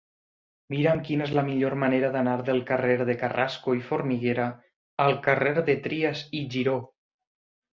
Mira'm quina és la millor manera d'anar del carrer de Carrasco i Formiguera al carrer de Trias i Giró.